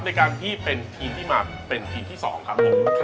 ในการที่เป็นทีมที่มาเป็นทีมที่๒ครับผม